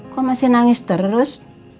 kok masih nangis terus